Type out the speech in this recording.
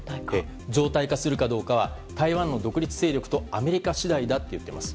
常態化するかどうかは台湾の独立勢力とアメリカ次第だと言っています。